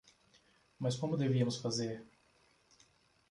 Mas como devíamos fazer?